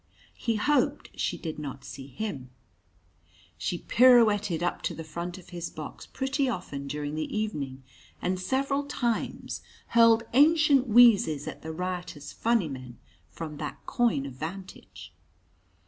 He hoped she did not see him. She pirouetted up to the front of his box pretty often during the evening, and several times hurled ancient wheezes at the riotous funnymen from that coign of vantage.